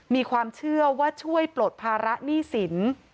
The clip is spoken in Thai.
มีความเชื่อว่าช่วยปลดภาระหนี้สิน